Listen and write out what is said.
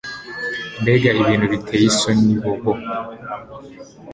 Mbega ibintu biteye isoni bobo